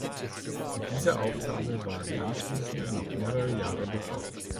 Mit dieser Aufgabe war sie anschließend noch mehrere Jahre betraut.